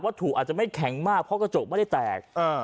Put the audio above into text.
ถูกอาจจะไม่แข็งมากเพราะกระจกไม่ได้แตก